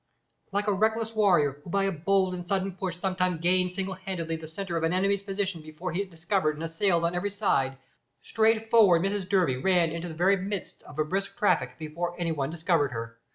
Like a reckless warrior, who by a bold and sudden push sometimes gains single handed the centre of an enemy's position before he is discovered and assailed on every side, straight forward Mrs Durby ran into the very midst of a brisk traffic, before any one discovered her.